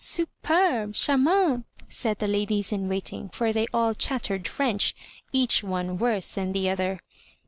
Super be! charmantr said the ladies in waiting, for they all chattered French, each one worse than the other.